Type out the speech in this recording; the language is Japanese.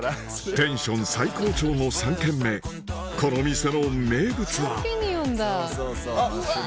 テンション最高潮の３軒目この店の名物はあっ！